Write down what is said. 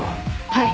はい。